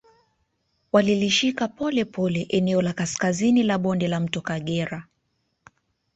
Walilishika polepole eneo la kaskazini la bonde la mto Kagera